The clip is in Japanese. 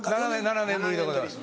７年ぶりでございます。